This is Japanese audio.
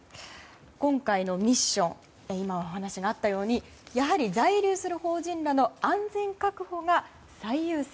今回のミッションは今、お話があったようにやはり在留する邦人らの安全確保が最優先。